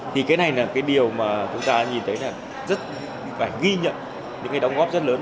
thì cái này là cái điều mà chúng ta nhìn thấy là rất phải ghi nhận những cái đóng góp rất lớn